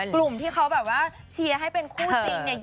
กลุ่มที่เขาแบบว่าเชียร์ให้เป็นคู่จริงเนี่ย